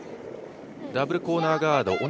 ダブルコーナーガード